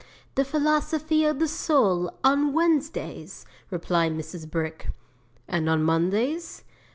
'"The Philosophy of the Soul, on Wednesdays," replied Mrs. Brick. '"And on Mondays?"